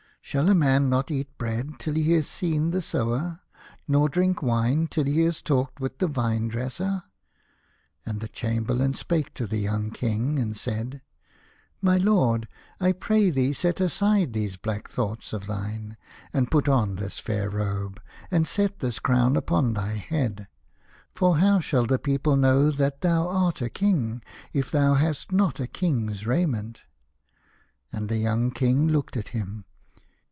Shall a man not eat bread till he has seen the sower, nor drink wine till he has talked with the vinedresser ?" And the Cham berlain spake to the young King, and said, " My lord, I pray thee set aside these black thoughts of thine, and put 19 A Hotise of Pomegranates. on this fair robe, and set this crown upon thy head. For how shall the people know that thou art a king, if thou hast not a king's raiment ?" And the young King looked at him.